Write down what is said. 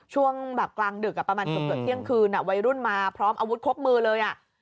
ช่วงแบบกลางดึกประมาณเกือบเที่ยงคืนวัยรุ่นมาพร้อมอาวุธครบมือเลย